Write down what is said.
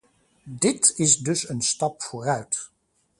Dit is dus een stap vooruit.